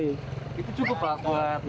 itu cukup lah pak